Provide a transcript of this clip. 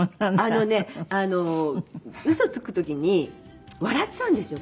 あのね嘘つく時に笑っちゃうんですよ